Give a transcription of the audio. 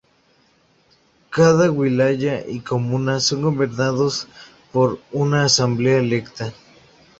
Cada wilaya y comuna son gobernados por una asamblea electa.